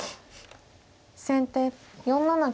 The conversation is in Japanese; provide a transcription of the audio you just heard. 先手４七金。